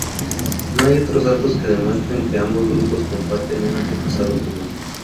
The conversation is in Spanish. No hay otros datos que demuestren que ambos grupos comparten un antepasado común.